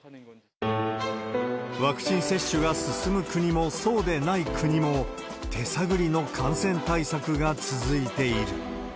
ワクチン接種が進む国も、そうでない国も手探りの感染対策が続いている。